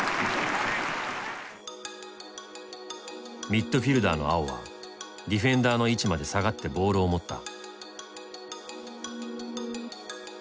ミッドフィルダーの碧はディフェンダーの位置まで下がってボールを持った。